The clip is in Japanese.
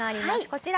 こちら。